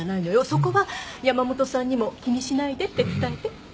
そこは山本さんにも気にしないでって伝えて。